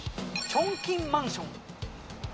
チョンキンマンション。